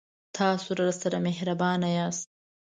تاسو راسره مهربان یاست